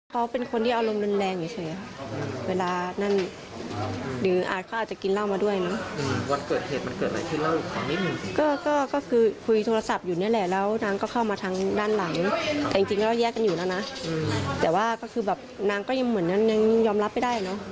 ก็คือคุยโทรศัพท์อยู่นี่แหละแล้วนางก็เข้ามาทางด้านหลังแต่จริงแล้วแยกกันอยู่แล้วนะแต่ว่าก็คือแบบนางก็ยังเหมือนยังยอมรับไปได้เนาะ